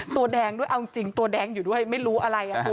ตัวแดงด้วยเอาจริงตัวแดงอยู่ด้วยไม่รู้อะไรอ่ะคุณ